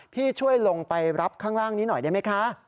พี่ช่วยลงไปรับข้างล่างนี้หน่อยได้ไหมคะ